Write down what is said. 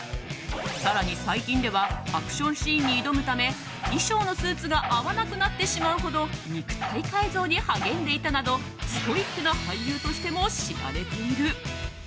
更に最近ではアクションシーンに挑むため衣装のスーツが合わなくなってしまうほど肉体改造に励んでいたなどストイックな俳優としても知られている。